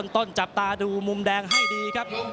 จับตาดูมุมแดงให้ดีครับ